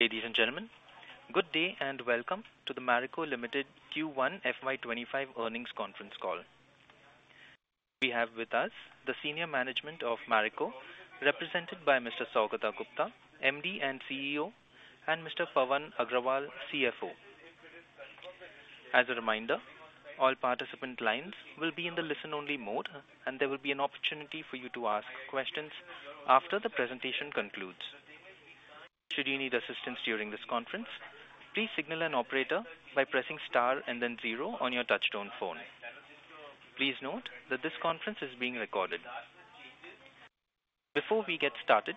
Ladies and gentlemen, good day, and welcome to the Marico Limited Q1 FY25 earnings conference call. We have with us the senior management of Marico, represented by Mr. Saugata Gupta, MD and CEO, and Mr. Pawan Agrawal, CFO. As a reminder, all participant lines will be in the listen-only mode, and there will be an opportunity for you to ask questions after the presentation concludes. Should you need assistance during this conference, please signal an operator by pressing star and then zero on your touch-tone phone. Please note that this conference is being recorded. Before we get started,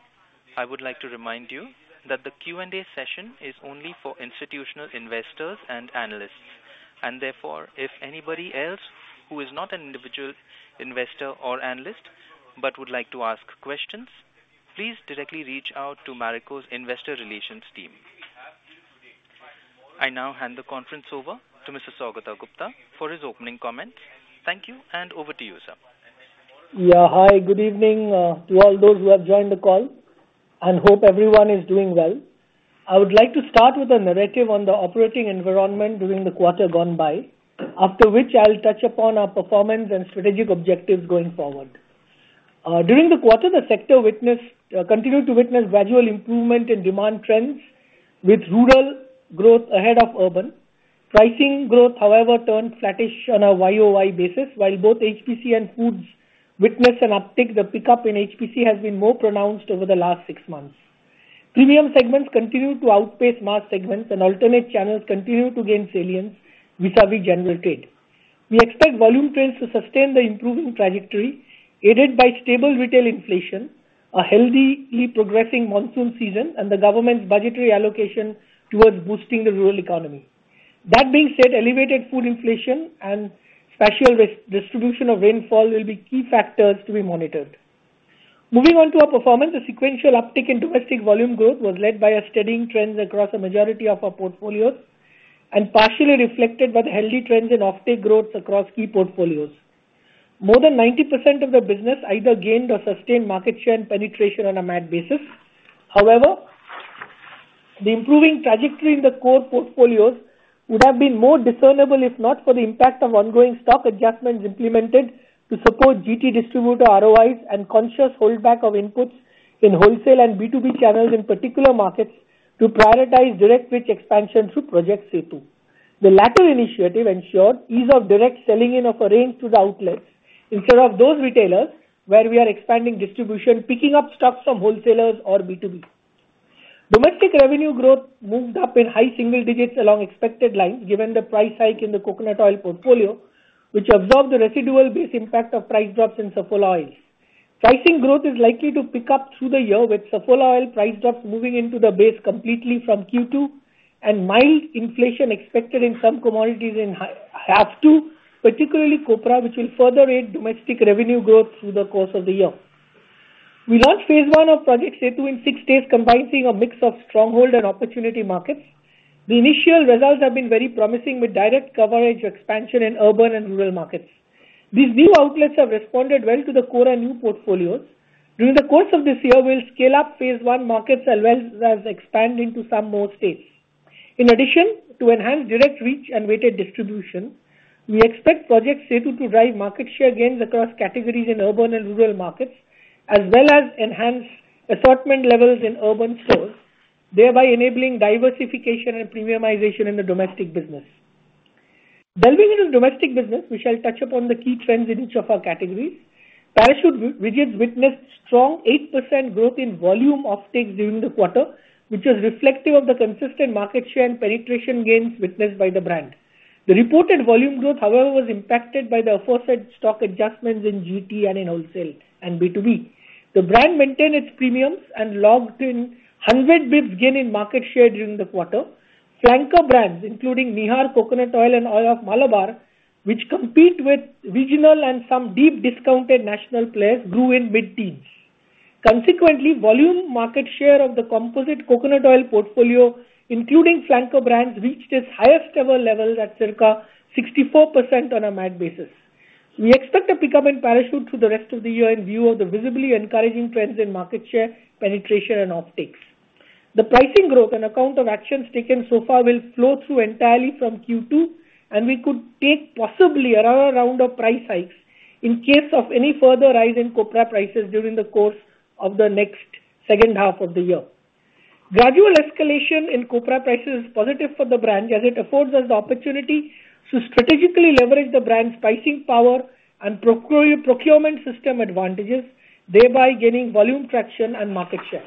I would like to remind you that the Q&A session is only for institutional investors and analysts, and therefore, if anybody else who is not an individual investor or analyst but would like to ask questions, please directly reach out to Marico's investor relations team. I now hand the conference over to Mr. Saugata Gupta for his opening comments. Thank you, and over to you, sir. Yeah. Hi, good evening, to all those who have joined the call, and hope everyone is doing well. I would like to start with a narrative on the operating environment during the quarter gone by, after which I'll touch upon our performance and strategic objectives going forward. During the quarter, the sector witnessed continued to witness gradual improvement in demand trends, with rural growth ahead of urban. Pricing growth, however, turned flattish on a YOY basis, while both HPC and foods witnessed an uptick. The pickup in HPC has been more pronounced over the last six months. Premium segments continue to outpace mass segments, and alternate channels continue to gain salience vis-a-vis general trade. We expect volume trends to sustain the improving trajectory, aided by stable retail inflation, a healthy progressing monsoon season, and the government's budgetary allocation towards boosting the rural economy. That being said, elevated food inflation and spatial redistribution of rainfall will be key factors to be monitored. Moving on to our performance, the sequential uptick in domestic volume growth was led by steadying trends across the majority of our portfolios and partially reflected by the healthy trends in offtake growth across key portfolios. More than 90% of the business either gained or sustained market share and penetration on a MAT basis. However, the improving trajectory in the core portfolios would have been more discernible, if not for the impact of ongoing stock adjustments implemented to support GT distributor ROIs and conscious holdback of inputs in wholesale and B2B channels, in particular markets, to prioritize direct reach expansion through Project Setu. The latter initiative ensured ease of direct selling in of a range to the outlets instead of those retailers where we are expanding distribution, picking up stocks from wholesalers or B2B. Domestic revenue growth moved up in high single digits along expected lines, given the price hike in the coconut oil portfolio, which absorbed the residual base impact of price drops in Saffola oils. Pricing growth is likely to pick up through the year, with Saffola oil price drops moving into the base completely from Q2 and mild inflation expected in some commodities in H2, particularly copra, which will further aid domestic revenue growth through the course of the year. We launched phase one of Project Setu in six states, comprising a mix of stronghold and opportunity markets. The initial results have been very promising, with direct coverage expansion in urban and rural markets. These new outlets have responded well to the core and new portfolios. During the course of this year, we'll scale up phase one markets as well as expand into some more states. In addition to enhanced direct reach and weighted distribution, we expect Project Setu to drive market share gains across categories in urban and rural markets, as well as enhance assortment levels in urban stores, thereby enabling diversification and premiumization in the domestic business. Delving into the domestic business, we shall touch upon the key trends in each of our categories. Parachute Rigids witnessed strong 8% growth in volume offtakes during the quarter, which was reflective of the consistent market share and penetration gains witnessed by the brand. The reported volume growth, however, was impacted by the aforesaid stock adjustments in GT and in wholesale and B2B. The brand maintained its premiums and logged in 100 bps gain in market share during the quarter. Flanker brands, including Nihar Coconut Oil and Oil of Malabar, which compete with regional and some deep discounted national players, grew in mid-teens. Consequently, volume market share of the composite coconut oil portfolio, including flanker brands, reached its highest ever levels at circa 64% on a MAT basis. We expect a pickup in Parachute through the rest of the year in view of the visibly encouraging trends in market share, penetration, and offtakes. The pricing growth and account of actions taken so far will flow through entirely from Q2, and we could take possibly around a round of price hikes in case of any further rise in copra prices during the course of the next second half of the year. Gradual escalation in copra prices is positive for the brand, as it affords us the opportunity to strategically leverage the brand's pricing power and procurement system advantages, thereby gaining volume, traction, and market share.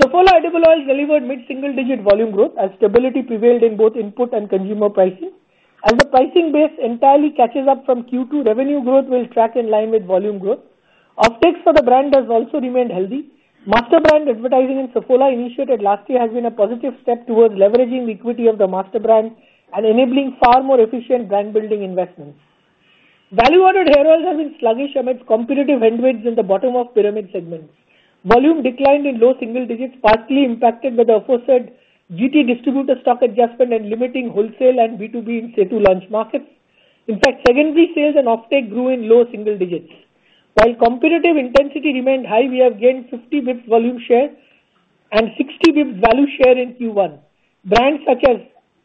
Saffola edible oils delivered mid-single-digit volume growth as stability prevailed in both input and consumer pricing. As the pricing base entirely catches up from Q2, revenue growth will track in line with volume growth. Offtakes for the brand has also remained healthy. Master brand advertising in Saffola, initiated last year, has been a positive step towards leveraging the equity of the master brand and enabling far more efficient brand-building investments. Value-added hair oils have been sluggish amid competitive headwinds in the bottom of pyramid segments. Volume declined in low single digits, partly impacted by the aforesaid GT distributor stock adjustment and limiting wholesale and B2B in Setu launch markets. In fact, secondary sales and offtake grew in low single digits. While competitive intensity remained high, we have gained 50 basis points volume share and 60 basis points value share in Q1. Brands such as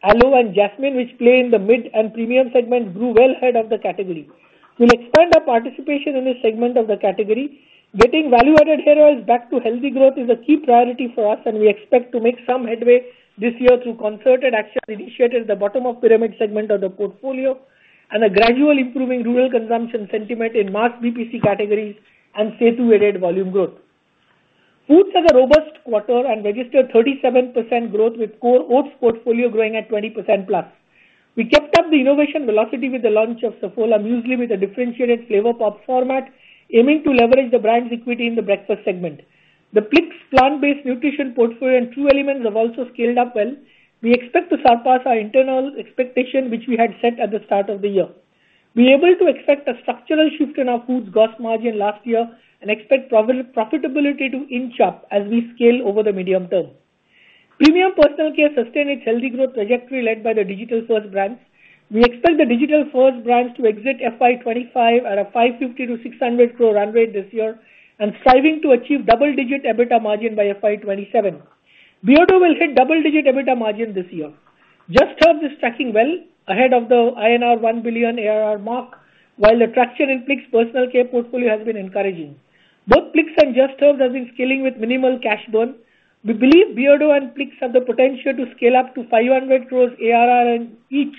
Aloe and Jasmine, which play in the mid and premium segment, grew well ahead of the category. We'll expand our participation in this segment of the category. Getting value-added hair oils back to healthy growth is a key priority for us, and we expect to make some headway this year through concerted action initiated at the bottom of pyramid segment of the portfolio, and a gradual improving rural consumption sentiment in mass BPC categories and set to aid volume growth. Foods had a robust quarter and registered 37% growth, with core oats portfolio growing at 20%+. We kept up the innovation velocity with the launch of Saffola Muesli with a differentiated flavor pop format, aiming to leverage the brand's equity in the breakfast segment. The Plix plant-based nutrition portfolio and True Elements have also scaled up well. We expect to surpass our internal expectation, which we had set at the start of the year. We're able to expect a structural shift in our foods gross margin last year and expect proper profitability to inch up as we scale over the medium term. Premium personal care sustained its healthy growth trajectory, led by the digital-first brands. We expect the digital-first brands to exit FY 2025 at an 550-600 crore run rate this year and striving to achieve double-digit EBITDA margin by FY 2027. Beardo will hit double-digit EBITDA margin this year. Just Herbs is tracking well ahead of the INR 1 billion ARR mark, while the traction in Plix personal care portfolio has been encouraging. Both Plix and Just Herbs have been scaling with minimal cash burn. We believe Beardo and Plix have the potential to scale up to 500 crore ARR in each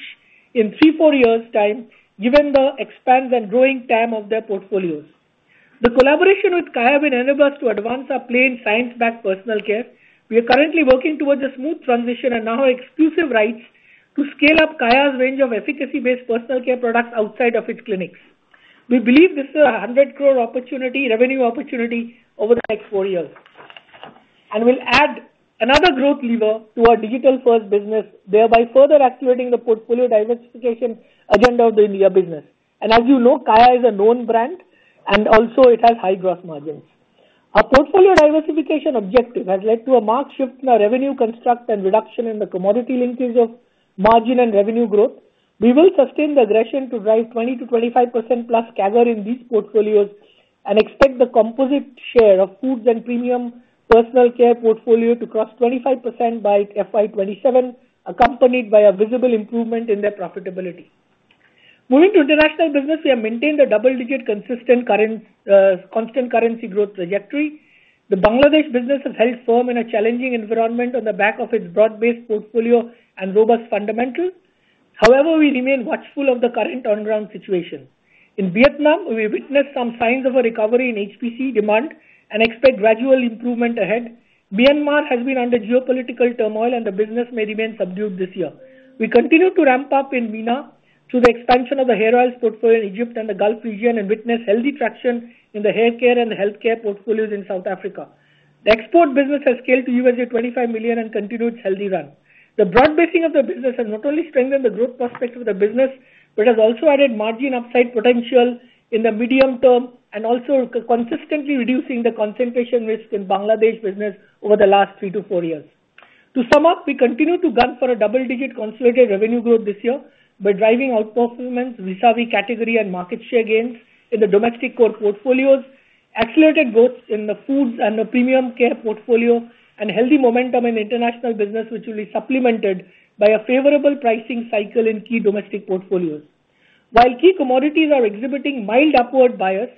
in three to four years' time, given the expanse and growing TAM of their portfolios. The collaboration with Kaya has enabled us to advance our play in science-backed personal care. We are currently working towards a smooth transition and now have exclusive rights to scale up Kaya's range of efficacy-based personal care products outside of its clinics. We believe this is an 100 crore opportunity, revenue opportunity over the next four years. And we'll add another growth lever to our digital-first business, thereby further accelerating the portfolio diversification agenda of the India business. As you know, Kaya is a known brand, and also it has high gross margins. Our portfolio diversification objective has led to a marked shift in our revenue construct and reduction in the commodity linkage of margin and revenue growth. We will sustain the aggression to drive 20%-25%+ CAGR in these portfolios and expect the composite share of foods and premium personal care portfolio to cross 25% by FY 2027, accompanied by a visible improvement in their profitability. Moving to international business, we have maintained a double-digit consistent current, constant currency growth trajectory. The Bangladesh business has held firm in a challenging environment on the back of its broad-based portfolio and robust fundamentals. However, we remain watchful of the current on-ground situation. In Vietnam, we witnessed some signs of a recovery in HPC demand and expect gradual improvement ahead. Myanmar has been under geopolitical turmoil, and the business may remain subdued this year. We continue to ramp up in MENA through the expansion of the hair oils portfolio in Egypt and the Gulf region, and witness healthy traction in the haircare and healthcare portfolios in South Africa. The export business has scaled to $25 million and continued its healthy run. The broad-basing of the business has not only strengthened the growth perspective of the business, but has also added margin upside potential in the medium term and also consistently reducing the concentration risk in Bangladesh business over the last three to four years. To sum up, we continue to gun for a double-digit consolidated revenue growth this year by driving outperformance vis-a-vis category and market share gains in the domestic core portfolios, accelerated growth in the foods and the premium care portfolio, and healthy momentum in international business, which will be supplemented by a favorable pricing cycle in key domestic portfolios. While key commodities are exhibiting mild upward bias,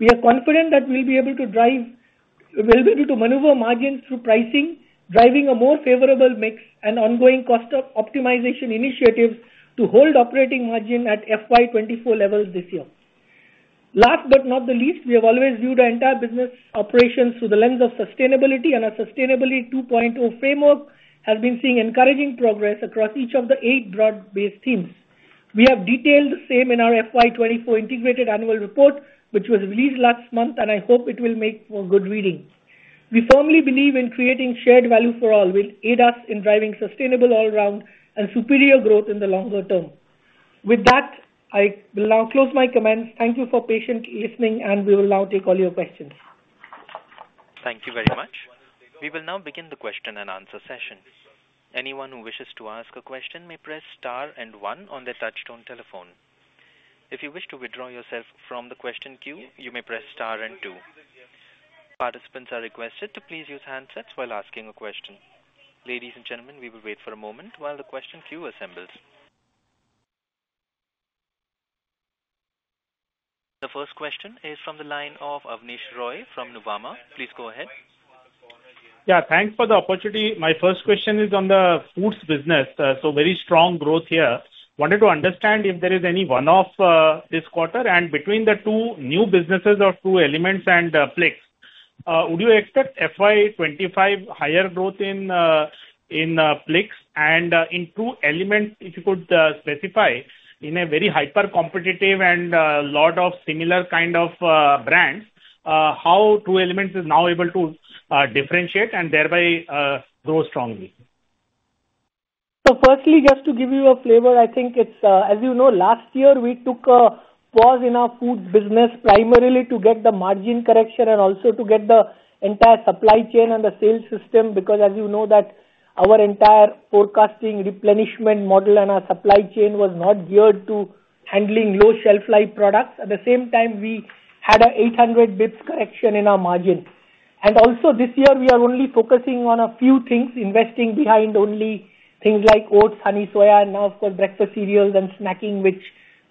we are confident that we'll be able to maneuver margins through pricing, driving a more favorable mix and ongoing cost optimization initiatives to hold operating margin at FY 2024 levels this year. Last but not the least, we have always viewed our entire business operations through the lens of sustainability, and our Sustainability 2.0 framework has been seeing encouraging progress across each of the eight broad-based themes. We have detailed the same in our FY 2024 integrated annual report, which was released last month, and I hope it will make for good reading. We firmly believe in creating shared value for all, will aid us in driving sustainable all around and superior growth in the longer term. With that, I will now close my comments. Thank you for patiently listening, and we will now take all your questions. Thank you very much. We will now begin the question and answer session. Anyone who wishes to ask a question may press star and 1 on their touchtone telephone. If you wish to withdraw yourself from the question queue, you may press star and 2. Participants are requested to please use handsets while asking a question. Ladies and gentlemen, we will wait for a moment while the question queue assembles. The first question is from the line of Abneesh Roy from Nuvama. Please go ahead. Yeah, thanks for the opportunity. My first question is on the foods business. So very strong growth here. Wanted to understand if there is any one-off, this quarter, and between the two new businesses or True Elements and, Plix, would you expect FY 2025 higher growth in, in, Plix? And, in True Elements, if you could, specify in a very hyper-competitive and, lot of similar kind of, brands, how True Elements is now able to, differentiate and thereby, grow strongly? So firstly, just to give you a flavor, I think it's, as you know, last year we took a pause in our food business, primarily to get the margin correction and also to get the entire supply chain and the sales system, because as you know, our entire forecasting replenishment model and our supply chain was not geared to handling low shelf life products. At the same time, we had an 800 basis points correction in our margin. And also this year we are only focusing on a few things, investing behind only things like oats, honey, soya, and now of course, breakfast cereals and snacking, which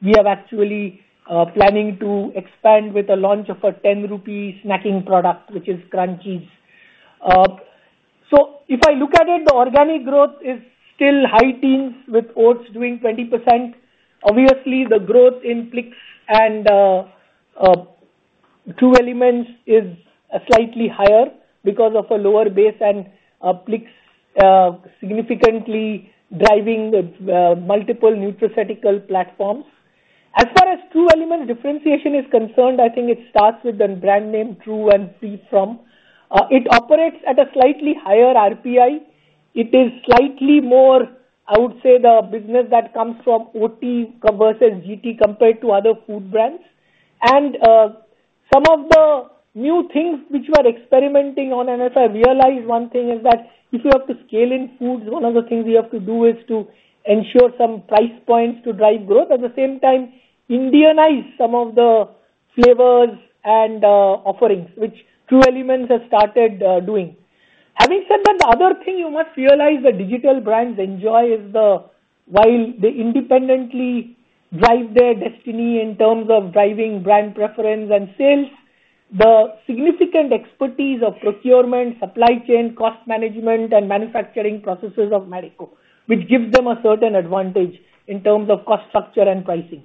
we are actually planning to expand with the launch of an 10 rupee snacking product, which is Crunchies. So if I look at it, the organic growth is still high teens, with oats doing 20%. Obviously, the growth in Plix and True Elements is slightly higher because of a lower base and Plix significantly driving multiple nutraceutical platforms. As far as True Elements differentiation is concerned, I think it starts with the brand name True and seed-free. It operates at a slightly higher RPI. It is slightly more, I would say, the business that comes from MT versus GT, compared to other food brands. And some of the new things which we are experimenting on, and as I realize, one thing is that if you have to scale in foods, one of the things you have to do is to ensure some price points to drive growth. At the same time, Indianize some of the flavors and offerings, which True Elements has started doing. Having said that, the other thing you must realize that digital brands enjoy is the, while they independently drive their destiny in terms of driving brand preference and sales, the significant expertise of procurement, supply chain, cost management, and manufacturing processes of Marico, which gives them a certain advantage in terms of cost structure and pricing.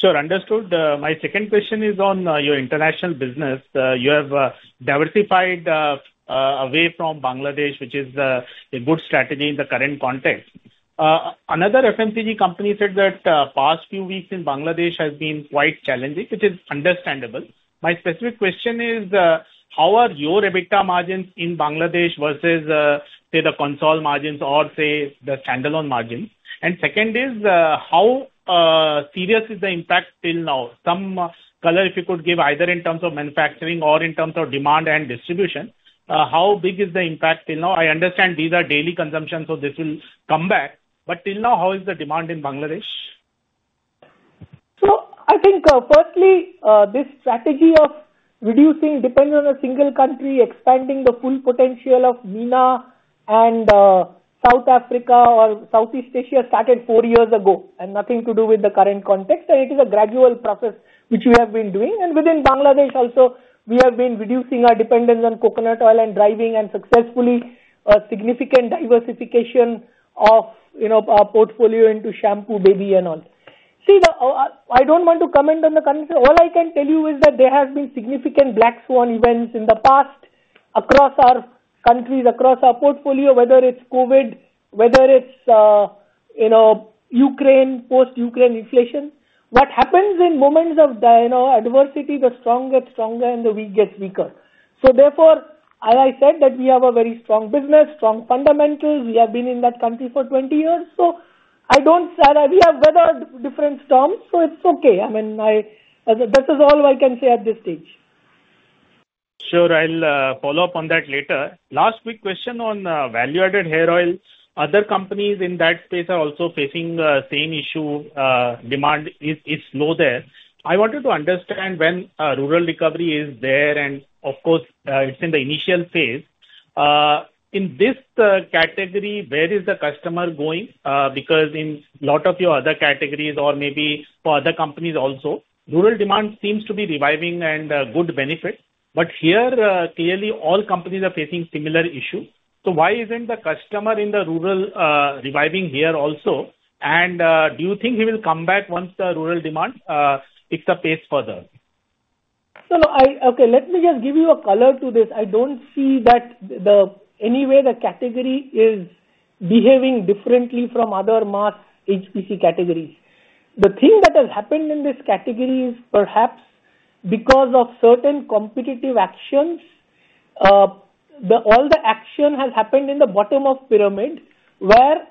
Sure, understood. My second question is on your international business. You have diversified away from Bangladesh, which is a good strategy in the current context. Another FMCG company said that past few weeks in Bangladesh has been quite challenging, which is understandable. My specific question is, how are your EBITDA margins in Bangladesh versus, say, the consolidated margins or say the standalone margins? And second is, how serious is the impact till now? Some color if you could give, either in terms of manufacturing or in terms of demand and distribution, how big is the impact till now? I understand these are daily consumption, so this will come back. But till now, how is the demand in Bangladesh? So I think, firstly, this strategy of reducing dependence on a single country, expanding the full potential of MENA and, South Africa or Southeast Asia, started four years ago, and nothing to do with the current context. And it is a gradual process which we have been doing. And within Bangladesh also, we have been reducing our dependence on coconut oil and driving and successfully, significant diversification of, you know, our portfolio into shampoo, baby, and all. See, the, I don't want to comment on the country. All I can tell you is that there have been significant black swan events in the past, across our countries, across our portfolio, whether it's COVID, whether it's, you know, Ukraine, post-Ukraine inflation. What happens in moments of you know, adversity, the strong get stronger and the weak gets weaker. So therefore, as I said, that we have a very strong business, strong fundamentals. We have been in that country for 20 years, so I don't... We have weathered different storms, so it's okay. I mean, I, this is all I can say at this stage. Sure, I'll follow up on that later. Last quick question on value-added hair oils. Other companies in that space are also facing the same issue, demand is low there. I wanted to understand when a rural recovery is there, and of course, it's in the initial phase. In this category, where is the customer going? Because in a lot of your other categories or maybe for other companies also, rural demand seems to be reviving and good benefit. But here, clearly all companies are facing similar issue. So why isn't the customer in the rural reviving here also? And do you think he will come back once the rural demand picks the pace further? Okay, let me just give you a color to this. I don't see that in any way the category is behaving differently from other mass HPC categories. The thing that has happened in this category is perhaps because of certain competitive actions, the all the action has happened in the bottom of pyramid, where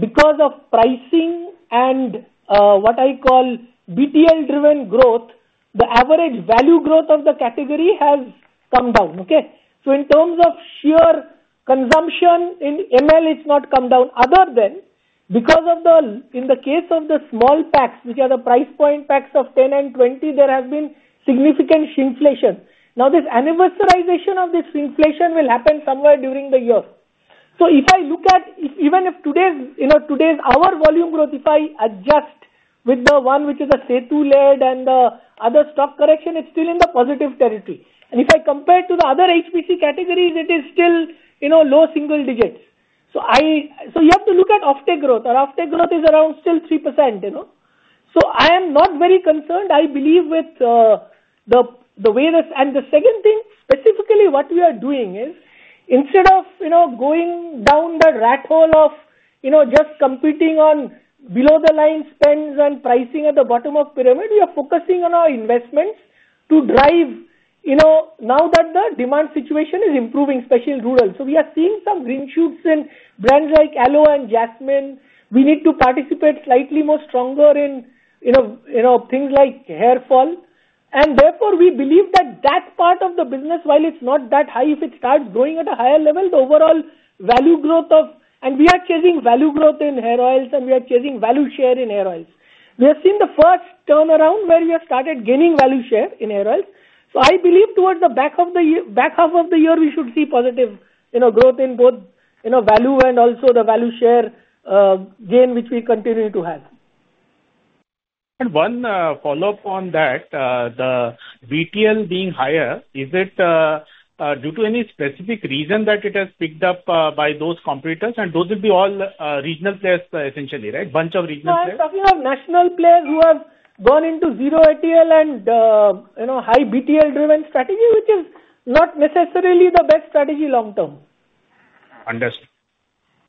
because of pricing and what I call BTL-driven growth, the average value growth of the category has come down, okay? So in terms of sheer consumption in ML, it's not come down, other than because of the, in the case of the small packs, which are the price point packs of 10 and 20, there has been significant shrinkflation. Now, this anniversarization of this inflation will happen somewhere during the year. So if I look at... Even if today's, you know, today's our volume growth, if I adjust with the one which is a Setu-led and other stock correction, it's still in the positive territory. And if I compare to the other HPC categories, it is still, you know, low single digits. So I... So you have to look at offtake growth, our offtake growth is around still 3%, you know? So I am not very concerned. I believe with the, the way this. And the second thing, specifically what we are doing is, instead of, you know, going down the rat hole of, you know, just competing on below the line spends and pricing at the bottom of pyramid, we are focusing on our investments to drive, you know, now that the demand situation is improving, especially in rural. So we are seeing some green shoots in brands like Aloe and Jasmine. We need to participate slightly more stronger in, you know, you know, things like hair fall... And therefore, we believe that that part of the business, while it's not that high, if it starts growing at a higher level, the overall value growth of—and we are chasing value growth in hair oils, and we are chasing value share in hair oils. We have seen the first turnaround where we have started gaining value share in hair oils. So I believe towards the back of the year, back half of the year, we should see positive, you know, growth in both, you know, value and also the value share gain, which we continue to have. And one follow-up on that, the BTL being higher, is it due to any specific reason that it has picked up by those competitors? And those would be all regional players essentially, right? Bunch of regional players. No, I'm talking of national players who have gone into zero ATL and, you know, high BTL-driven strategy, which is not necessarily the best strategy long term. Understood.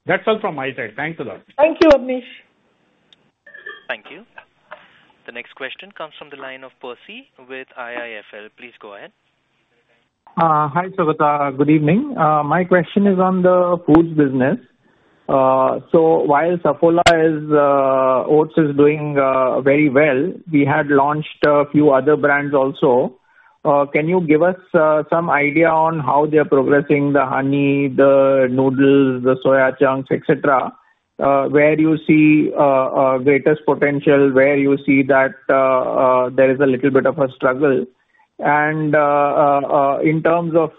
That's all from my side. Thank you, though. Thank you, Abneesh. Thank you. The next question comes from the line of Percy with IIFL. Please go ahead. Hi, Saugata. Good evening. My question is on the foods business. So while Saffola Oats is doing very well, we had launched a few other brands also. Can you give us some idea on how they are progressing, the honey, the noodles, the soya chunks, et cetera? Where you see greatest potential, where you see that there is a little bit of a struggle. And in terms of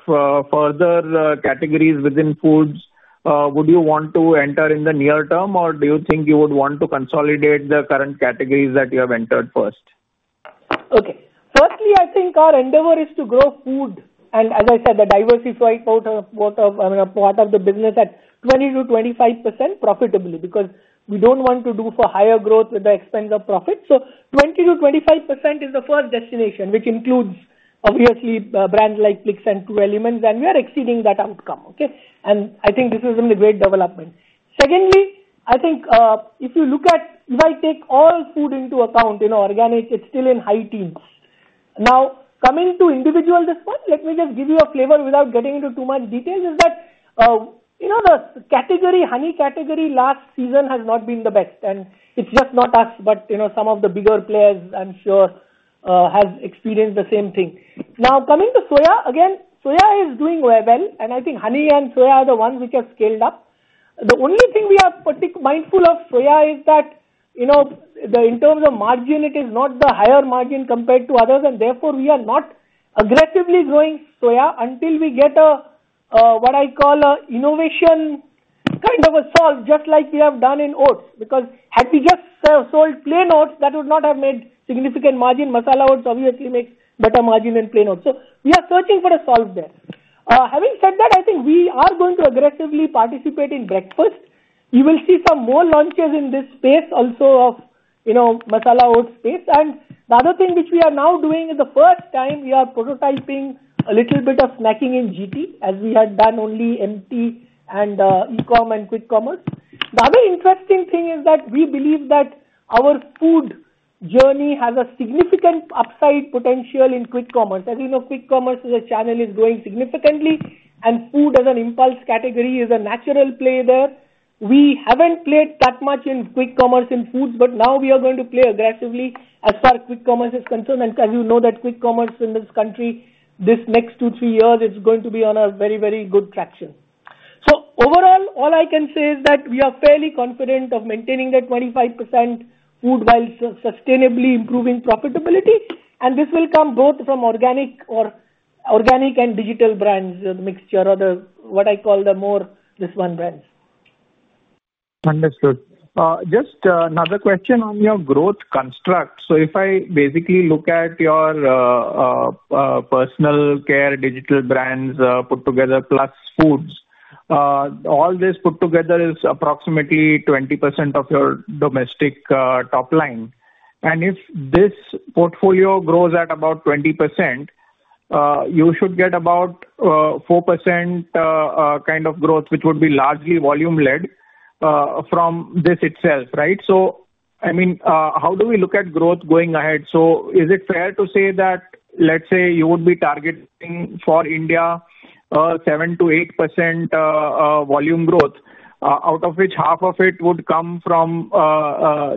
further categories within foods, would you want to enter in the near term, or do you think you would want to consolidate the current categories that you have entered first? Okay. Firstly, I think our endeavor is to grow food, and as I said, to diversify—I mean—a part of the business at 20%-25% profitably, because we don't want to do it for higher growth at the expense of profit. So 20%-25% is the first destination, which includes, obviously, brands like Plix and True Elements, and we are exceeding that outcome, okay? And I think this is a great development. Secondly, I think, if you look at—if I take all food into account, you know, organically, it's still in high teens%. Now, coming to individual products, let me just give you a flavor without getting into too much detail, is that, you know, the category, honey category, last season has not been the best, and it's just not us, but, you know, some of the bigger players, I'm sure, has experienced the same thing. Now, coming to soya, again, soya is doing well, and I think honey and soya are the ones which have scaled up. The only thing we are particularly mindful of soya is that, you know, the in terms of margin, it is not the higher margin compared to others, and therefore, we are not aggressively growing soya until we get a, what I call a innovation kind of a solve, just like we have done in oats. Because had we just, sold plain oats, that would not have made significant margin. Masala oats obviously makes better margin than plain oats. So we are searching for a solve there. Having said that, I think we are going to aggressively participate in breakfast. You will see some more launches in this space also of, you know, masala oats space. And the other thing which we are now doing is the first time we are prototyping a little bit of snacking in GT, as we had done only in tea and e-com and quick commerce. The other interesting thing is that we believe that our food journey has a significant upside potential in quick commerce. As you know, quick commerce as a channel is growing significantly, and food as an impulse category is a natural play there. We haven't played that much in quick commerce in foods, but now we are going to play aggressively as far as quick commerce is concerned. As you know, quick commerce in this country, the next two to three years, it's going to be on a very, very good traction. So overall, all I can say is that we are fairly confident of maintaining that 25% food while sustainably improving profitability. And this will come both from organic and inorganic and digital brands, a mix of the what I call the mothership brands. Understood. Just another question on your growth construct. So if I basically look at your personal care digital brands, put together, plus foods, all this put together is approximately 20% of your domestic top line. And if this portfolio grows at about 20%, you should get about 4% kind of growth, which would be largely volume-led from this itself, right? So, I mean, how do we look at growth going ahead? So is it fair to say that, let's say, you would be targeting for India 7%-8% volume growth, out of which half of it would come from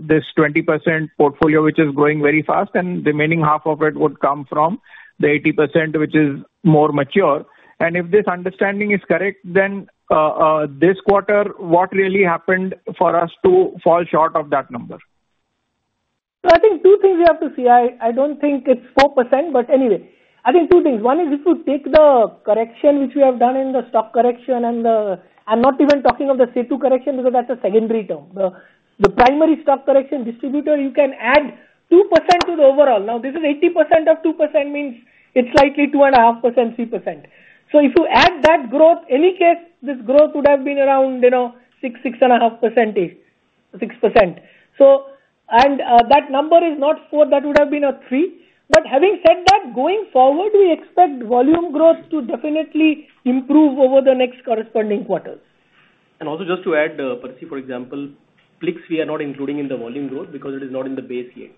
this 20% portfolio, which is growing very fast, and remaining half of it would come from the 80%, which is more mature. If this understanding is correct, then, this quarter, what really happened for us to fall short of that number? I think two things we have to see. I, I don't think it's 4%, but anyway, I think two things. One is if you take the correction, which we have done in the stock correction, and, I'm not even talking of the Setu correction, because that's a secondary term. The primary stock correction distributor, you can add 2% to the overall. Now, this is 80% of 2%, means it's likely 2.5%, 3%. So if you add that growth, any case, this growth would have been around, you know, 6, 6.5%, 6%. So... And, that number is not four, that would have been a three. But having said that, going forward, we expect volume growth to definitely improve over the next corresponding quarters. And also just to add, Percy, for example, Plix, we are not including in the volume growth because it is not in the base yet.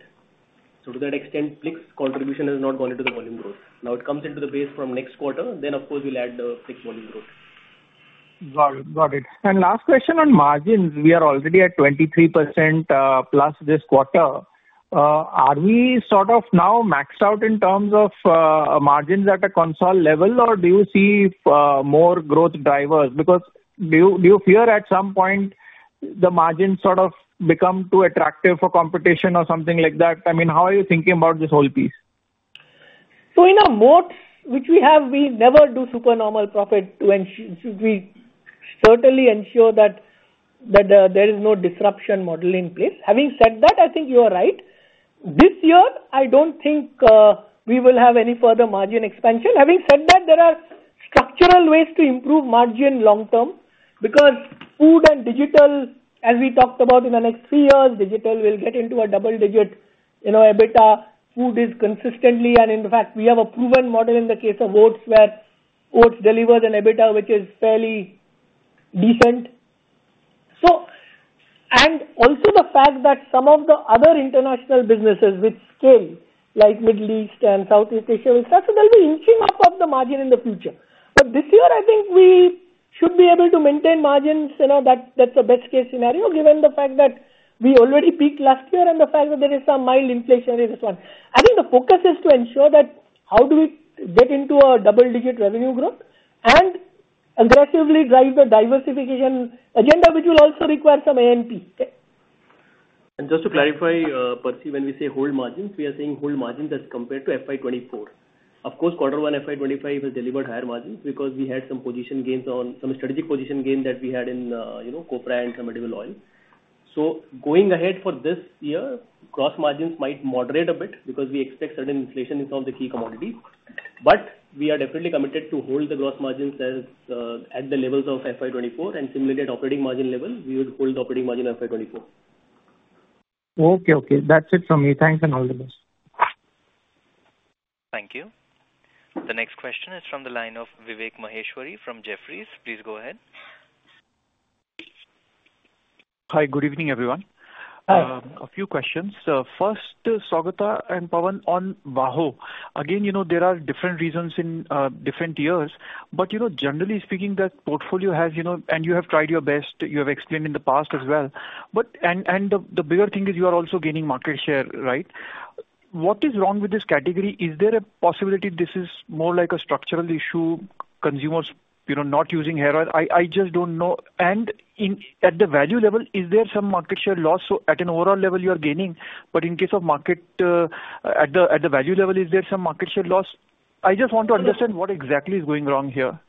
So to that extent, Plix contribution has not gone into the volume growth. Now, it comes into the base from next quarter, then of course, we'll add the Plix volume growth.... Got it, got it. And last question on margins. We are already at 23%+, this quarter. Are we sort of now maxed out in terms of margins at a consolidated level, or do you see more growth drivers? Because do you fear at some point the margins sort of become too attractive for competition or something like that? I mean, how are you thinking about this whole piece? So in a moat which we have, we never do super normal profit to ensure—we certainly ensure that, that, there is no disruption model in place. Having said that, I think you are right. This year, I don't think, we will have any further margin expansion. Having said that, there are structural ways to improve margin long term, because food and digital, as we talked about in the next three years, digital will get into a double digit, you know, EBITDA. Food is consistently, and in fact, we have a proven model in the case of Oats, where Oats delivers an EBITDA, which is fairly decent. So, and also the fact that some of the other international businesses with scale, like Middle East and Southeast Asia, et cetera, they'll be inching up of the margin in the future. But this year, I think we should be able to maintain margins. You know, that's, that's the best case scenario, given the fact that we already peaked last year and the fact that there is some mild inflation in this one. I think the focus is to ensure that how do we get into a double-digit revenue growth and aggressively drive the diversification agenda, which will also require some AMP. Just to clarify, Percy, when we say hold margins, we are saying hold margins as compared to FY 2024. Of course, Q1, FY 2025 has delivered higher margins because we had some position gains on, some strategic position gain that we had in, you know, copra and some edible oil. So going ahead for this year, gross margins might moderate a bit because we expect certain inflation in some of the key commodities. But we are definitely committed to hold the gross margins as, at the levels of FY 2024, and similarly, at operating margin level, we would hold operating margin FY 2024. Okay, okay. That's it from me. Thanks, and all the best. Thank you. The next question is from the line of Vivek Maheshwari from Jefferies. Please go ahead. Hi, good evening, everyone. Hi. A few questions. First, Saugata and Pawan on VAHO. Again, you know, there are different reasons in different years. But, you know, generally speaking, that portfolio has, you know, and you have tried your best, you have explained in the past as well. But... And the bigger thing is you are also gaining market share, right? What is wrong with this category? Is there a possibility this is more like a structural issue, consumers, you know, not using hair oil? I just don't know. And in at the value level, is there some market share loss? So at an overall level, you are gaining, but in case of market at the value level, is there some market share loss? I just want to understand what exactly is going wrong here.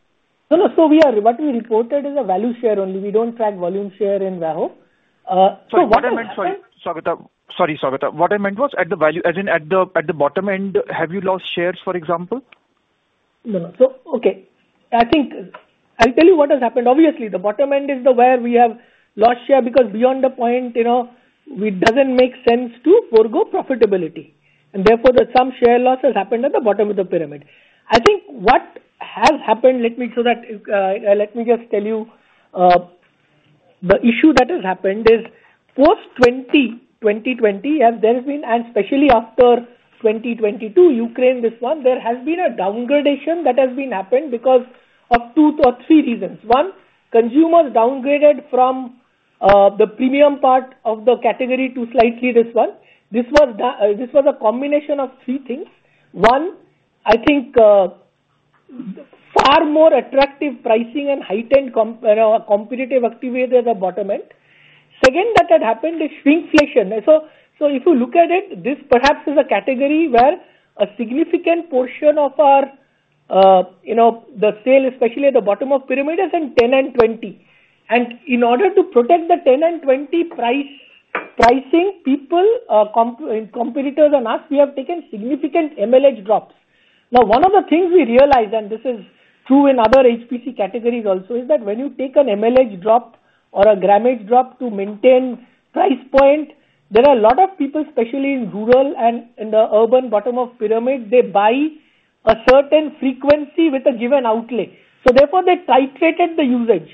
No, no. What we reported is a value share only. We don't track volume share in VAHO. So what happened- Sorry, Saugata. Sorry, Saugata. What I meant was at the value, as in at the, at the bottom end, have you lost shares, for example? No, no. So, okay. I think I'll tell you what has happened. Obviously, the bottom end is where we have lost share, because beyond the point, you know, it doesn't make sense to forgo profitability. And therefore, there's some share loss has happened at the bottom of the pyramid. I think what has happened. Let me just tell you the issue that has happened is post 2020, and there has been, and especially after 2022, Ukraine, this one, there has been a downgrading that has been happened because of two or three reasons. One, consumers downgraded from the premium part of the category to slightly this one. This was a combination of three things. One, I think, far more attractive pricing and heightened competitive activity at the bottom end. Second, that had happened is shrinkflation. So, so if you look at it, this perhaps is a category where a significant portion of our, you know, the sale, especially at the bottom of pyramid, is in 10 and 20. And in order to protect the 10 and 20 price, pricing, people, competitors and us, we have taken significant MLH drops. Now, one of the things we realized, and this is true in other HPC categories also, is that when you take an MLH drop or a grammage drop to maintain price point, there are a lot of people, especially in rural and in the urban bottom of pyramid, they buy a certain frequency with a given outlay. So therefore, they titrated the usage.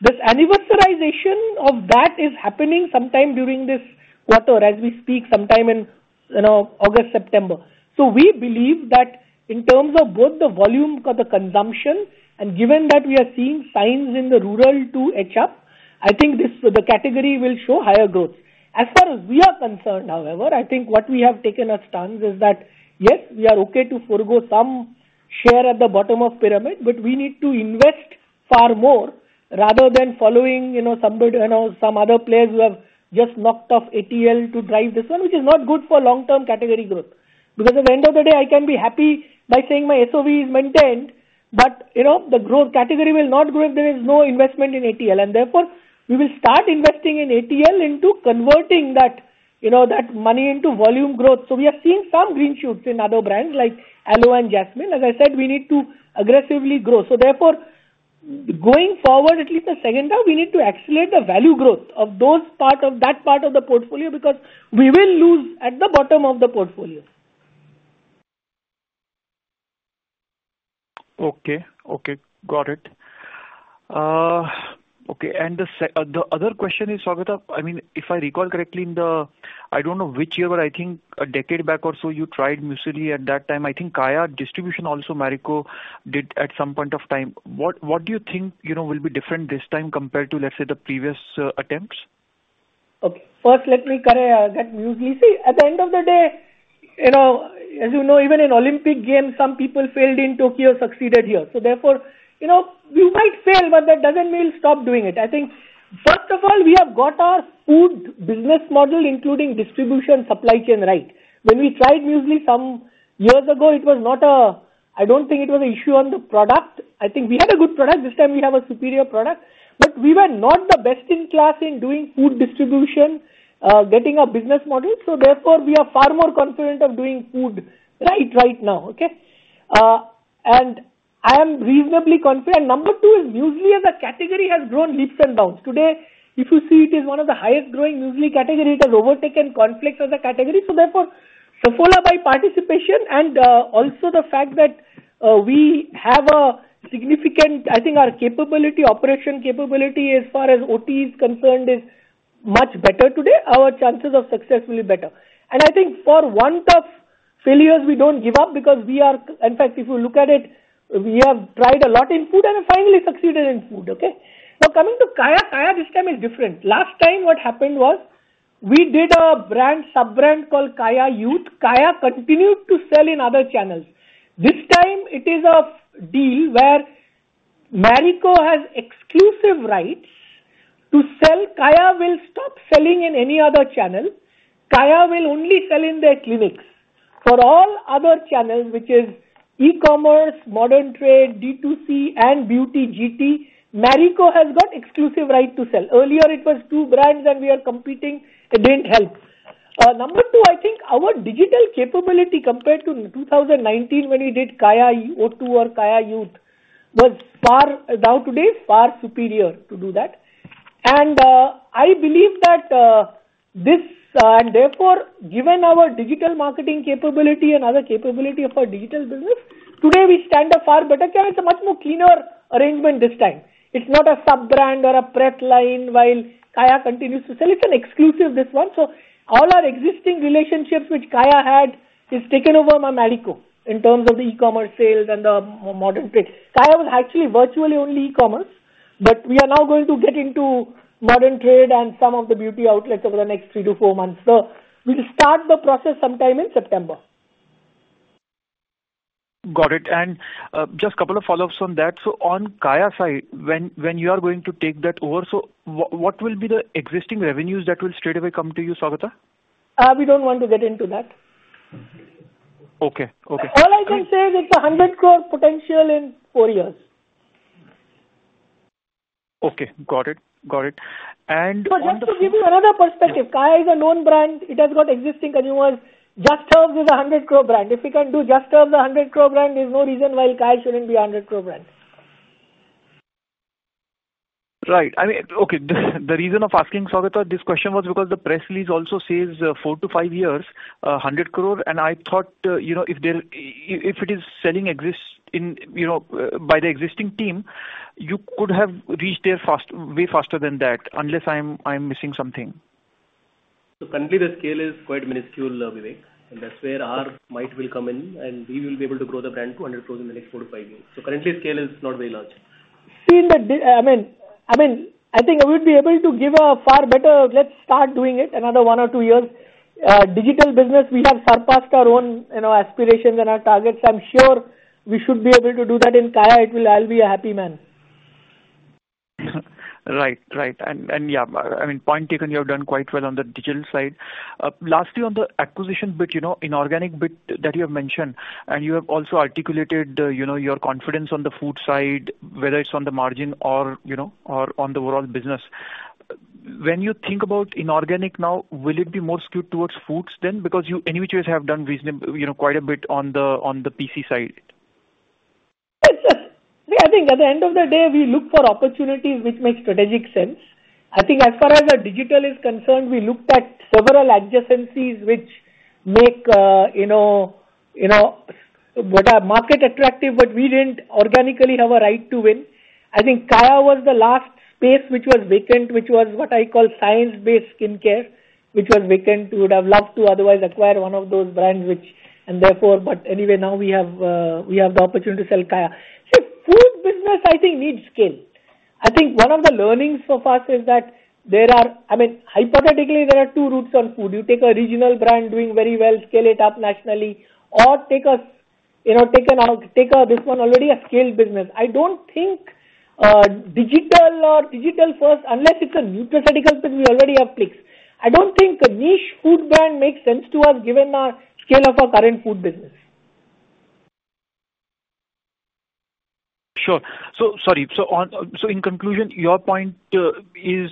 This anniversarization of that is happening sometime during this quarter, as we speak, sometime in, you know, August, September. So we believe that in terms of both the volume for the consumption and given that we are seeing signs in the rural to edge up, I think this, the category will show higher growth. As far as we are concerned, however, I think what we have taken a stance is that, yes, we are okay to forgo some share at the bottom of pyramid, but we need to invest far more rather than following, you know, somebody, you know, some other players who have just knocked off ATL to drive this one, which is not good for long-term category growth. Because at the end of the day, I can be happy by saying my SOV is maintained, but, you know, the growth category will not grow if there is no investment in ATL. Therefore, we will start investing in ATL into converting that, you know, that money into volume growth. We are seeing some green shoots in other brands like Aloe and Jasmine. As I said, we need to aggressively grow. Therefore, going forward, at least the second half, we need to accelerate the value growth of that part of the portfolio, because we will lose at the bottom of the portfolio. Okay. Okay, got it. Okay, and the other question is, Saugata, I mean, if I recall correctly, in the, I don't know which year, but I think a decade back or so, you tried muesli at that time. I think Kaya distribution, also Marico did at some point of time. What do you think, you know, will be different this time compared to, let's say, the previous attempts? Okay. First, let me clarify that muesli. See, at the end of the day, you know, as you know, even in Olympic Games, some people failed in Tokyo, succeeded here. So therefore, you know, we might fail, but that doesn't mean we'll stop doing it. I think, first of all, we have got our food business model, including distribution, supply chain right. When we tried muesli some years ago, it was not. I don't think it was an issue on the product. I think we had a good product. This time we have a superior product. But we were not the best in class in doing food distribution, getting a business model. So therefore, we are far more confident of doing food right, right now, okay? And I am reasonably confident. Number two is, muesli as a category has grown leaps and bounds. Today, if you see, it is one of the highest growing muesli category. It has overtaken cornflakes as a category, so therefore, Saffola by participation and, also the fact that, we have a significant... I think our capability, operation capability, as far as oats is concerned, is much better today. Our chances of success will be better. And I think for want of failures, we don't give up because we are-- In fact, if you look at it, we have tried a lot in food and have finally succeeded in food, okay? Now, coming to Kaya. Kaya this time is different. Last time what happened was, we did a brand, sub-brand called Kaya Youth. Kaya continued to sell in other channels. This time it is a deal where Marico has exclusive rights to sell. Kaya will stop selling in any other channel. Kaya will only sell in their clinics. For all other channels, which is e-commerce, modern trade, D2C, and beauty GT, Marico has got exclusive right to sell. Earlier, it was two brands and we are competing, it didn't help. Number two, I think our digital capability compared to 2019 when we did Kaya, OT or Kaya Youth, was far, now today, far superior to do that. And I believe that, this, and therefore, given our digital marketing capability and other capability of our digital business, today we stand a far better chance. It's a much more cleaner arrangement this time. It's not a sub-brand or a prep line while Kaya continues to sell. It's an exclusive, this one. So all our existing relationships which Kaya had, is taken over by Marico in terms of the e-commerce sales and the modern trade. Kaya was actually virtually only e-commerce, but we are now going to get into modern trade and some of the beauty outlets over the next three to four months. So we'll start the process sometime in September. Got it, and just a couple of follow-ups on that. So on Kaya side, when you are going to take that over, so what will be the existing revenues that will straightaway come to you, Saugata? We don't want to get into that. Okay. Okay. All I can say is it's 100 crore potential in four years. Okay, got it. Got it. Just to give you another perspective, Kaya is a known brand. It has got existing consumers. Just Herbs is an 100 crore brand. If we can do Just Herbs an 100 crore brand, there's no reason why Kaya shouldn't be an 100 crore brand. Right. I mean, okay, the reason of asking, Saugata, this question was because the press release also says, four to five years, 100 crore, and I thought, you know, if it is selling existing, you know, by the existing team, you could have reached there fast, way faster than that, unless I am missing something. So currently the scale is quite minuscule, Vivek, and that's where our might will come in, and we will be able to grow the brand to 100 crore in the next four to five years. So currently, scale is not very large. See, in the, I mean, I mean, I think I would be able to give a far better. Let's start doing it another one or two years. Digital business, we have surpassed our own, you know, aspirations and our targets. I'm sure we should be able to do that in Kaya. It will. I'll be a happy man. Right, right. And yeah, I mean, point taken, you have done quite well on the digital side. Lastly, on the acquisition bit, you know, inorganic bit that you have mentioned, and you have also articulated, you know, your confidence on the food side, whether it's on the margin or, you know, or on the overall business. When you think about inorganic now, will it be more skewed towards foods then? Because you any which ways have done reasonable, you know, quite a bit on the PC side. I think at the end of the day, we look for opportunities which make strategic sense. I think as far as our digital is concerned, we looked at several adjacencies which make, you know, you know, what are market attractive, but we didn't organically have a right to win. I think Kaya was the last space which was vacant, which was what I call science-based skincare, which was vacant. We would have loved to otherwise acquire one of those brands which... And therefore, but anyway, now we have, we have the opportunity to sell Kaya. So food business, I think, needs scale. I think one of the learnings so far is that there are, I mean, hypothetically, there are two routes on food. You take a regional brand doing very well, scale it up nationally, or take a, you know, take an out, take a this one already a scaled business. I don't think digital or digital first, unless it's a nutraceuticals, but we already have Plix. I don't think a niche food brand makes sense to us, given our scale of our current food business. Sure. So, sorry. So on, so in conclusion, your point is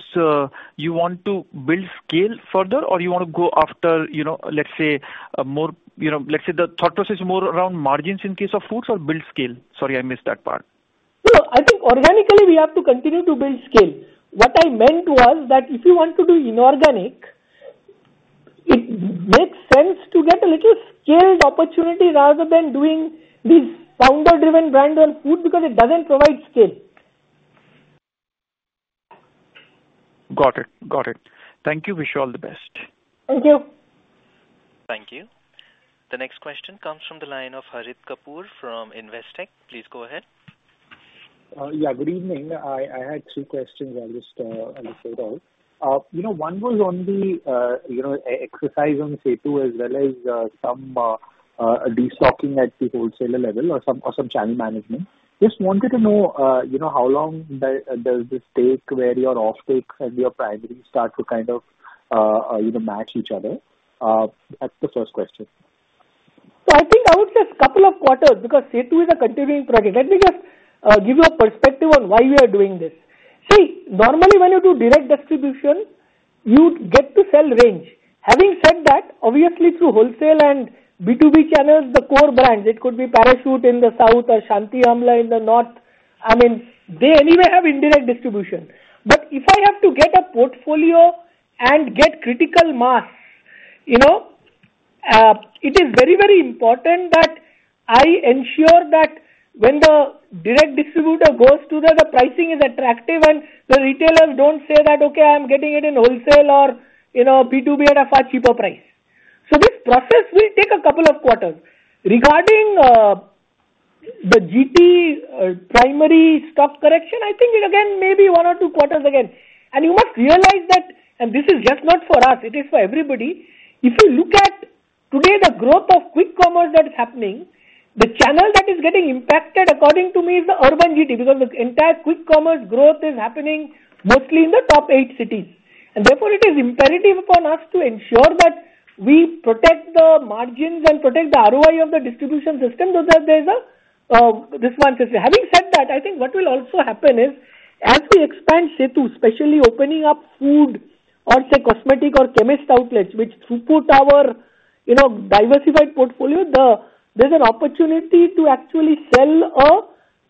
you want to build scale further or you want to go after, you know, let's say, more, you know, let's say the thought process more around margins in case of foods or build scale? Sorry, I missed that part. No, I think organically, we have to continue to build scale. What I meant was that if you want to do inorganic, scale is opportunity rather than doing these founder-driven brands on food, because it doesn't provide scale. Got it. Got it. Thank you. Wish you all the best. Thank you. Thank you. The next question comes from the line of Harit Kapoor from Investec. Please go ahead. Yeah, good evening. I had two questions, I'll just lay it out. You know, one was on the exercise on Setu, as well as some destocking at the wholesaler level or some channel management. Just wanted to know, you know, how long does this take, where your offtakes and your primary start to kind of match each other? That's the first question. So I think I would say a couple of quarters, because Setu is a continuing project. Let me just give you a perspective on why we are doing this. See, normally when you do direct distribution, you get to sell range. Having said that, obviously through wholesale and B2B channels, the core brands, it could be Parachute in the South or Shanti Amla in the North, I mean, they anyway have indirect distribution. But if I have to get a portfolio and get critical mass, you know, it is very, very important that I ensure that when the direct distributor goes to them, the pricing is attractive and the retailers don't say that: "Okay, I'm getting it in wholesale or, you know, B2B at a far cheaper price." So this process will take a couple of quarters. Regarding the GT primary stock correction, I think it again, maybe one or two quarters again. And you must realize that, and this is just not for us, it is for everybody. If you look at today, the growth of quick commerce that is happening, the channel that is getting impacted, according to me, is the urban GT, because the entire quick commerce growth is happening mostly in the top eight cities. And therefore, it is imperative upon us to ensure that we protect the margins and protect the ROI of the distribution system, so that there's a response system. Having said that, I think what will also happen is, as we expand Setu, especially opening up food or say, cosmetic or chemist outlets, which throughout our, you know, diversified portfolio, there's an opportunity to actually sell a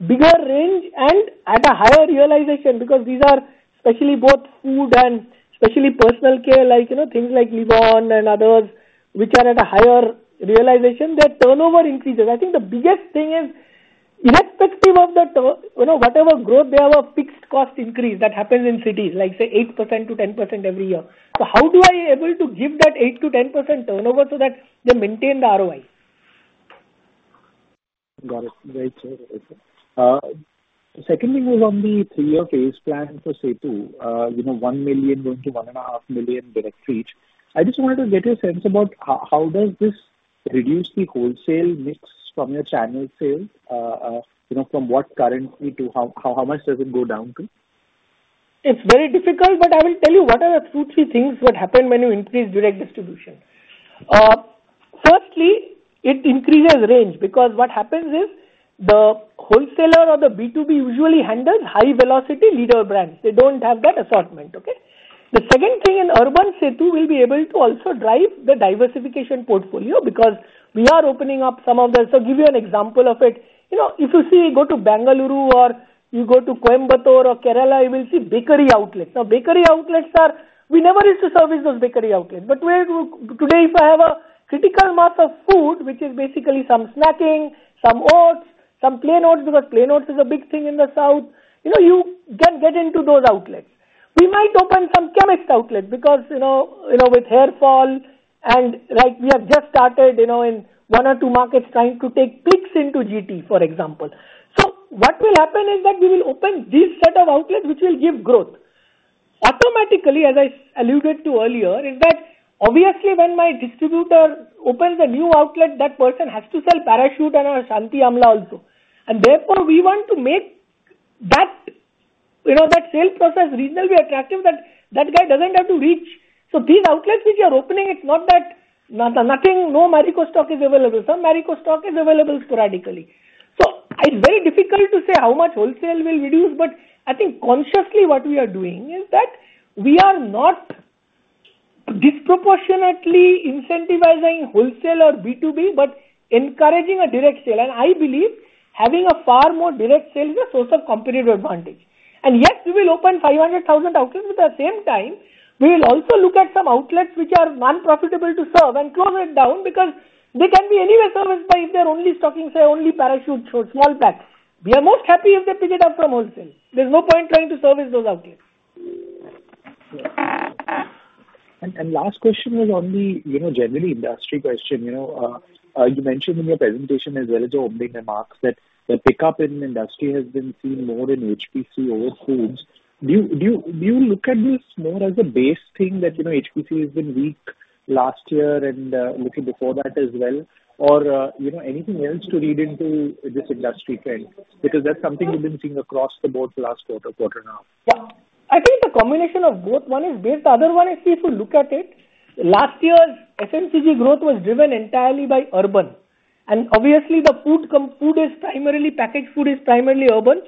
bigger range and at a higher realization, because these are especially both food and especially personal care, like, you know, things like Livon and others, which are at a higher realization, their turnover increases. I think the biggest thing is irrespective of the... You know, whatever growth, they have a fixed cost increase that happens in cities, like say 8%-10% every year. So how do I able to give that 8%-10% turnover so that they maintain the ROI? Got it. Great. Secondly, was on the three-year case plan for Setu. You know, 1 million going to 1.5 million direct reach. I just wanted to get a sense about how does this reduce the wholesale mix from your channel sales? You know, from what currently to how much does it go down to? It's very difficult, but I will tell you what are the two, three things that happen when you increase direct distribution. Firstly, it increases range, because what happens is, the wholesaler or the B2B usually handles high velocity leader brands. They don't have that assortment, okay? The second thing, in urban Setu, we'll be able to also drive the diversification portfolio because we are opening up some of the... So give you an example of it. You know, if you see, go to Bengaluru or you go to Coimbatore or Kerala, you will see bakery outlets. Now, bakery outlets are. We never used to service those bakery outlets. But today, if I have a critical mass of food, which is basically some snacking, some oats, some plain oats, because plain oats is a big thing in the south, you know, you can get into those outlets. We might open some chemist outlets because, you know, you know, with hair fall and like we have just started, you know, in one or two markets trying to take Plix into GT, for example. So what will happen is that we will open these set of outlets, which will give growth. Automatically, as I alluded to earlier, is that obviously when my distributor opens a new outlet, that person has to sell Parachute and our Shanti Amla also. And therefore, we want to make that, you know, that sales process reasonably attractive, that, that guy doesn't have to reach. So these outlets which are opening, it's not that nothing, no Marico stock is available. Some Marico stock is available sporadically. It's very difficult to say how much wholesale will reduce, but I think consciously what we are doing is that we are not disproportionately incentivizing wholesale or B2B, but encouraging a direct sale. I believe having a far more direct sale is a source of competitive advantage. Yes, we will open 500,000 outlets. At the same time, we will also look at some outlets which are non-profitable to serve and close it down, because they can be anywhere serviced by if they're only stocking, say, only Parachute small packs. We are most happy if they pick it up from wholesale. There's no point trying to service those outlets. And last question was on the, you know, general industry question. You know, you mentioned in your presentation as well as your opening remarks that the pickup in industry has been seen more in HPC over foods. Do you look at this more as a base thing that, you know, HPC has been weak last year and little before that as well? Or, you know, anything else to read into this industry trend, because that's something we've been seeing across the board for the last quarter now. Yeah. I think a combination of both. One is base, the other one is, if you look at it, last year's FMCG growth was driven entirely by urban. And obviously, food is primarily, packaged food is primarily urban,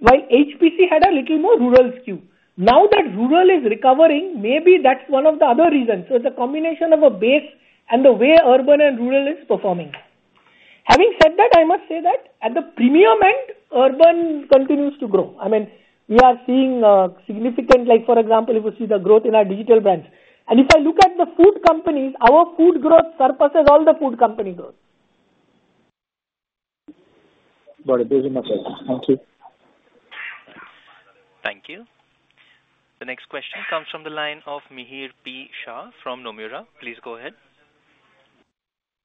while HPC had a little more rural skew. Now that rural is recovering, maybe that's one of the other reasons. So it's a combination of a base and the way urban and rural is performing... that I must say that at the premium end, urban continues to grow. I mean, we are seeing significant like, for example, if you see the growth in our digital brands. And if I look at the food companies, our food growth surpasses all the food company growth. Thank you. Thank you. The next question comes from the line of Mihir P. Shah from Nomura. Please go ahead.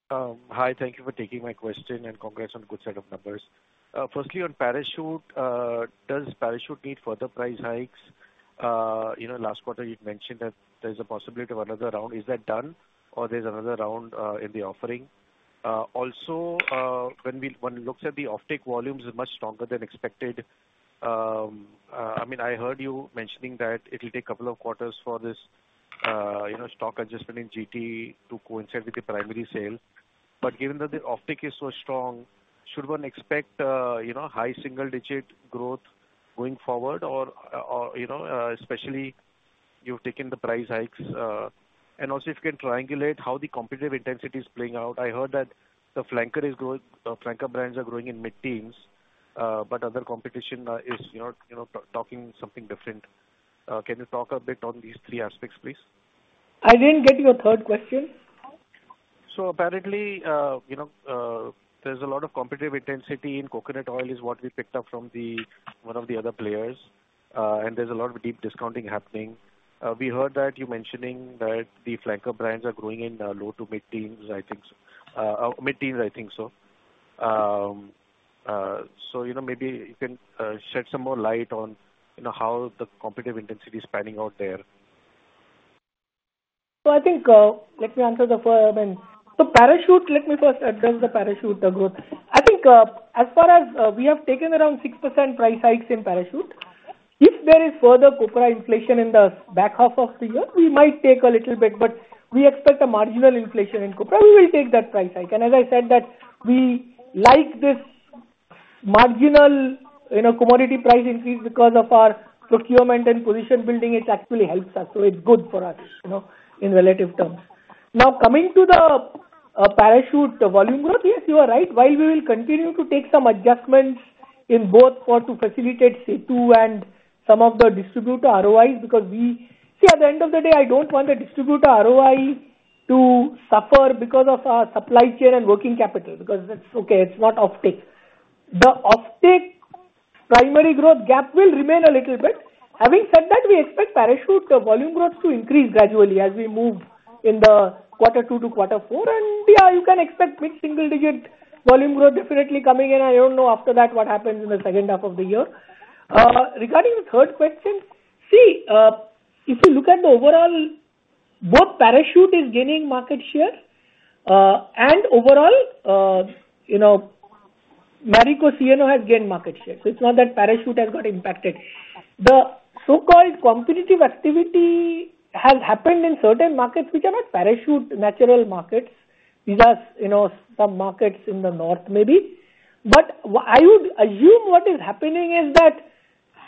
Hi, thank you for taking my question, and congrats on good set of numbers. Firstly, on Parachute, does Parachute need further price hikes? You know, last quarter you'd mentioned that there's a possibility of another round. Is that done, or there's another round in the offering? Also, when one looks at the offtake volumes is much stronger than expected. I mean, I heard you mentioning that it'll take a couple of quarters for this, you know, stock adjustment in GT to coincide with the primary sale. But given that the offtake is so strong, should one expect, you know, high single-digit growth going forward or, or, you know, especially you've taken the price hikes? And also if you can triangulate how the competitive intensity is playing out. I heard that the flanker is growing, flanker brands are growing in mid-teens, but other competition is, you know, you know, talking something different. Can you talk a bit on these three aspects, please? I didn't get your third question. So apparently, you know, there's a lot of competitive intensity in coconut oil, is what we picked up from the, one of the other players, and there's a lot of deep discounting happening. We heard that you mentioning that the flanker brands are growing in, low to mid-teens, I think so, mid-teens, I think so. So, you know, maybe you can shed some more light on, you know, how the competitive intensity is panning out there. So I think, let me answer the first one. So Parachute, let me first address the Parachute growth. I think, as far as, we have taken around 6% price hikes in Parachute. If there is further copra inflation in the back half of the year, we might take a little bit, but we expect a marginal inflation in copra. We will take that price hike. And as I said, that we like this marginal, you know, commodity price increase because of our procurement and position building. It actually helps us, so it's good for us, you know, in relative terms. Now, coming to the, Parachute volume growth, yes, you are right. While we will continue to take some adjustments in both for, to facilitate Setu and some of the distributor ROIs, because we... See, at the end of the day, I don't want the distributor ROI to suffer because of our supply chain and working capital, because that's okay, it's not offtake. The offtake primary growth gap will remain a little bit. Having said that, we expect Parachute volume growth to increase gradually as we move in Q2 to Q4. And, yeah, you can expect mid-single-digit volume growth definitely coming in. I don't know, after that, what happens in the second half of the year. Regarding the third question, see, if you look at the overall, both Parachute is gaining market share, and overall, you know, Marico CNO has gained market share, so it's not that Parachute has got impacted. The so-called competitive activity has happened in certain markets which are not Parachute natural markets. These are, you know, some markets in the north, maybe. But I would assume what is happening is that,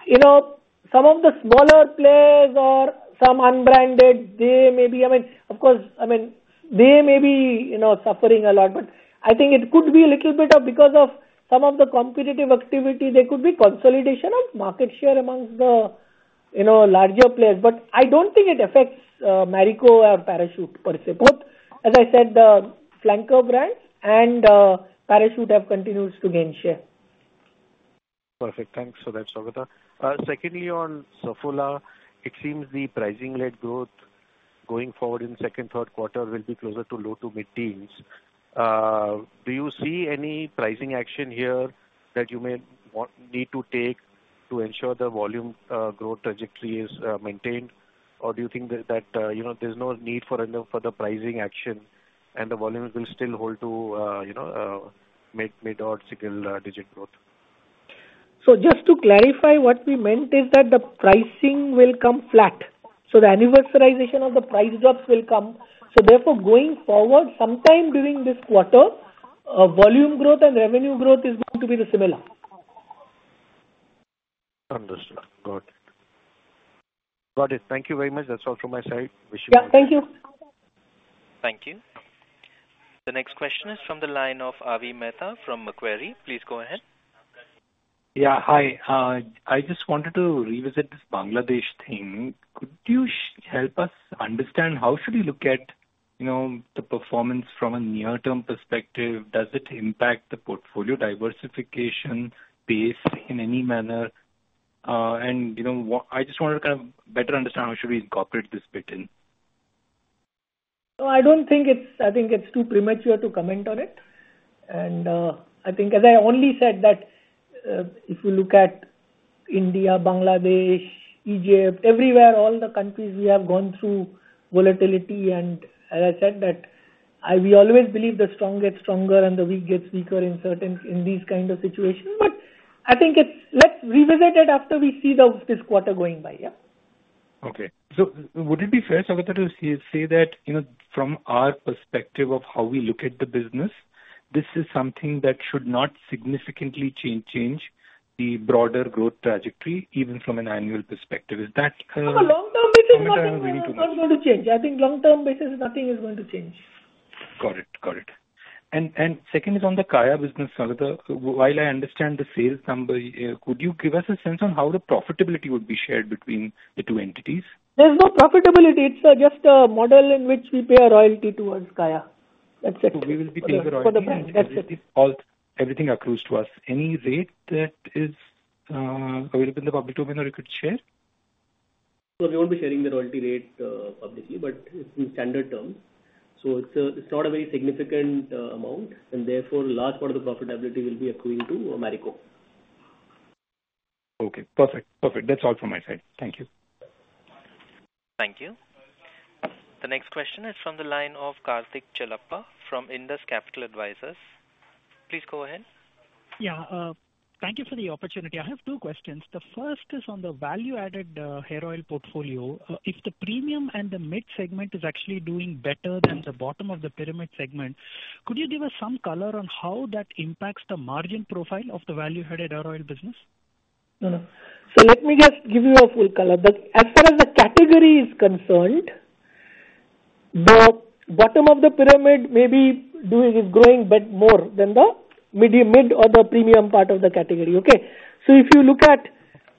you know, some of the smaller players or some unbranded, they may be, I mean, of course, I mean, they may be, you know, suffering a lot, but I think it could be a little bit of because of some of the competitive activity, there could be consolidation of market share amongst the, you know, larger players. But I don't think it affects Marico or Parachute per se. Both, as I said, the flanker brands and Parachute have continued to gain share. Perfect. Thanks for that, Saugata. Secondly, on Saffola, it seems the pricing-led growth going forward in second, Q3 will be closer to low to mid-teens. Do you see any pricing action here that you may want, need to take to ensure the volume growth trajectory is maintained? Or do you think that, you know, there's no need for another, further pricing action and the volumes will still hold to, you know, mid or single-digit growth? So just to clarify, what we meant is that the pricing will come flat, so the anniversarization of the price drops will come. So therefore, going forward, sometime during this quarter, volume growth and revenue growth is going to be the similar. Understood. Got it. Got it. Thank you very much. That's all from my side. Wish you- Yeah. Thank you. Thank you. The next question is from the line of Avi Mehta from Macquarie. Please go ahead. Yeah, hi. I just wanted to revisit this Bangladesh thing. Could you help us understand how should we look at, you know, the performance from a near-term perspective? Does it impact the portfolio diversification base in any manner? And, you know, I just wanted to kind of better understand how should we incorporate this bit in. No, I don't think it's-- I think it's too premature to comment on it. And, I think, as I only said, that, if you look at India, Bangladesh, Egypt, everywhere, all the countries, we have gone through volatility. And as I said, that, I, we always believe the strong get stronger and the weak gets weaker in certain, in these kind of situations. But I think it's, let's revisit it after we see the, this quarter going by, yeah. Okay. So would it be fair, Saugata, to say that, you know, from our perspective of how we look at the business, this is something that should not significantly change the broader growth trajectory, even from an annual perspective, is that? No, long term, this is not going to change. I think long term basis, nothing is going to change. Got it. Got it. And, second is on the Kaya business, while I understand the sales number, could you give us a sense on how the profitability would be shared between the two entities? There's no profitability. It's just a model in which we pay a royalty towards Kaya. That's it. We will be paying the royalty- That's it. All, everything accrues to us. Any rate that is, available in the public domain, or you could share? So we won't be sharing the royalty rate, obviously, but it's in standard terms, so it's not a very significant amount, and therefore, large part of the profitability will be accruing to Marico. Okay, perfect. Perfect. That's all from my side. Thank you. Thank you. The next question is from the line of Kartik Chellappa from Indus Capital Advisors. Please go ahead. Yeah, thank you for the opportunity. I have two questions. The first is on the value-added hair oil portfolio. If the premium and the mid-segment is actually doing better than the bottom of the pyramid segment, could you give us some color on how that impacts the margin profile of the value-added hair oil business? No, no. So let me just give you a full color. But as far as the category is concerned, the bottom of the pyramid may be doing, is growing, but more than the medium, mid or the premium part of the category, okay? So if you look at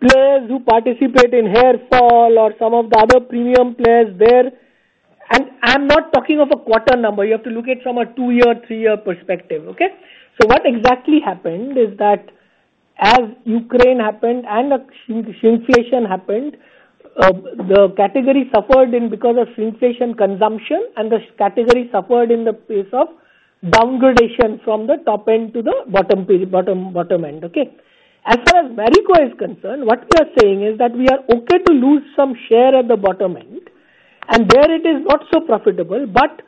players who participate in hair fall or some of the other premium players there, and I'm not talking of a quarter number, you have to look at from a two-year, three-year perspective, okay? So what exactly happened is that as Ukraine happened and as shrinkflation happened, the category suffered because of shrinkflation consumption, and the category suffered in the face of downgradation from the top end to the bottom end, okay? As far as Marico is concerned, what we are saying is that we are okay to lose some share at the bottom end, and there it is not so profitable, but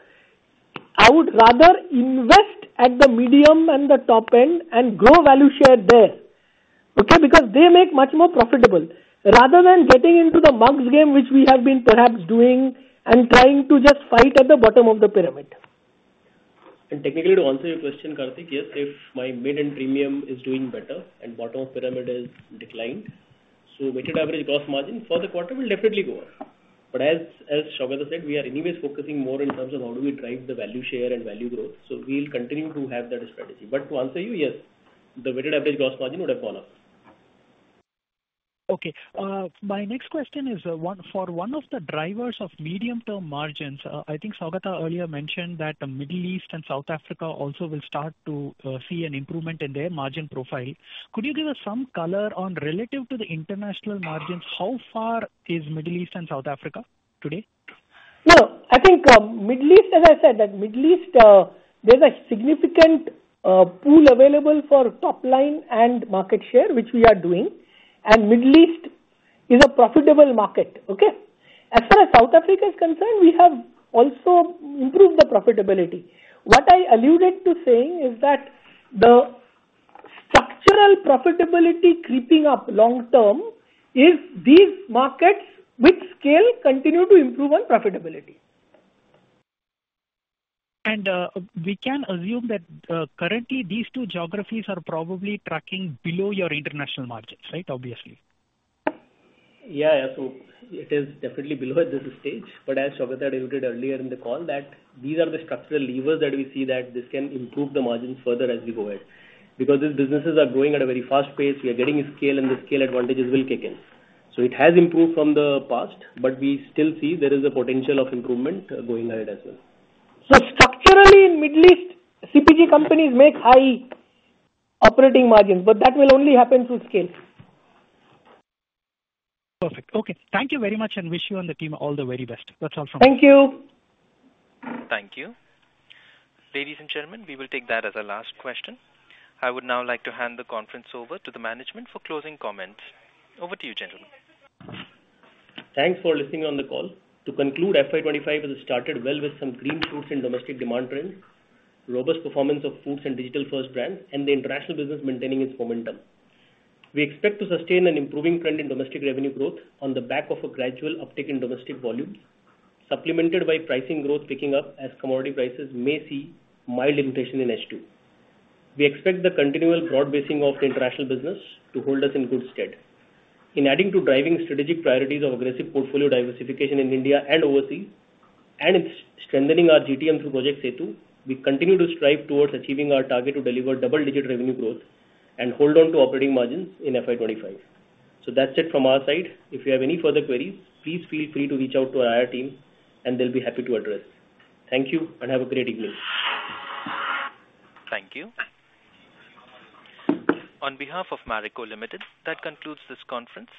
I would rather invest at the medium and the top end and grow value share there, okay? Because they make much more profitable. Rather than getting into the mug's game, which we have been perhaps doing, and trying to just fight at the bottom of the pyramid. Technically, to answer your question, Kartik, yes, if my mid and premium is doing better and bottom of pyramid is declined, so weighted average gross margin for the quarter will definitely go up. But as Saugata said, we are anyways focusing more in terms of how do we drive the value share and value growth. So we'll continue to have that strategy. But to answer you, yes, the weighted average gross margin would have gone up. Okay, my next question is one for one of the drivers of medium-term margins. I think Saugata earlier mentioned that the Middle East and South Africa also will start to see an improvement in their margin profile. Could you give us some color on, relative to the international margins, how far is Middle East and South Africa today? No, I think, Middle East, as I said, that Middle East, there's a significant pool available for top line and market share, which we are doing, and Middle East is a profitable market, okay? As far as South Africa is concerned, we have also improved the profitability. What I alluded to saying is that the structural profitability creeping up long term is these markets, which scale continue to improve on profitability. We can assume that currently these two geographies are probably tracking below your international margins, right? Obviously. Yeah, yeah. So it is definitely below at this stage. But as Saugata alluded earlier in the call, that these are the structural levers that we see that this can improve the margins further as we go ahead. Because these businesses are growing at a very fast pace, we are getting a scale, and the scale advantages will kick in. So it has improved from the past, but we still see there is a potential of improvement, going ahead as well. So structurally, in Middle East, CPG companies make high operating margins, but that will only happen through scale. Perfect. Okay. Thank you very much, and wish you and the team all the very best. That's all from me. Thank you! Thank you. Ladies and gentlemen, we will take that as our last question. I would now like to hand the conference over to the management for closing comments. Over to you, gentlemen. Thanks for listening on the call. To conclude, FY 2025 has started well with some green shoots in domestic demand trends, robust performance of foods and digital-first brands, and the international business maintaining its momentum. We expect to sustain an improving trend in domestic revenue growth on the back of a gradual uptick in domestic volumes, supplemented by pricing growth picking up as commodity prices may see mild inflation in H2. We expect the continual broad-basing of the international business to hold us in good stead. In adding to driving strategic priorities of aggressive portfolio diversification in India and overseas, and in strengthening our GTM through Project Setu, we continue to strive towards achieving our target to deliver double-digit revenue growth and hold on to operating margins in FY 2025. So that's it from our side. If you have any further queries, please feel free to reach out to our IR team, and they'll be happy to address. Thank you, and have a great evening. Thank you. On behalf of Marico Limited, that concludes this conference.